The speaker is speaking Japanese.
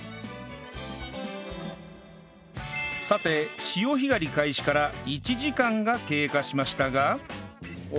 さて潮干狩り開始から１時間が経過しましたが